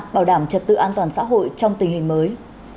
bảo đảm trật tự an toàn xã hội trong tình hình mới